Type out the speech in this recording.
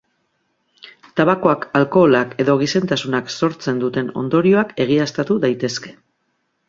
Tabakoak, alkoholak edo gizentasunak sortzen duten ondorioak egiaztatu daitezke.